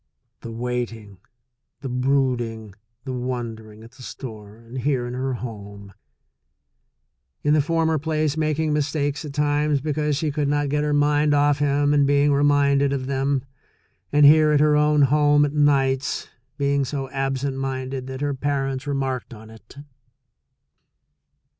The waiting, the brooding, the wondering, at the store and here in her home — in the former place making mistakes at times because she could not get her mind off him and being reminded of them, and here at her own home at nights, being so absent minded that her parents re marked on it.